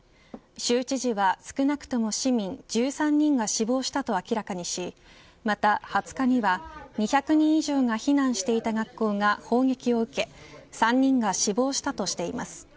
州知事は少なくとも市民１３人が死亡したと明らかにしまた２０日には２００人以上が避難していた学校が砲撃を受け３人が死亡したとしています。